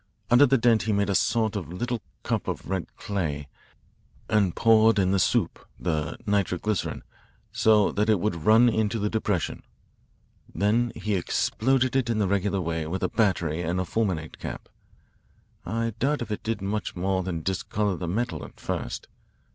Under the dent he made a sort of little cup of red clay and poured in the 'soup' the nitroglycerin so that it would run into the depression. Then he exploded it in the regular way with a battery and a fulminate cap. I doubt if it did much more than discolour the metal at first.